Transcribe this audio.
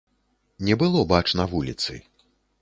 Не было бачна вуліцы.